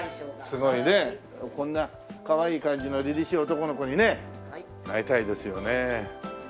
すごいねこんなかわいい感じの凜々しい男の子にねなりたいですよね。